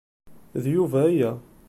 D Yuba aya.